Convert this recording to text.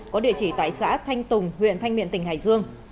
có địa chỉ tại xã thanh tùng huyện thanh miện tỉnh hải dương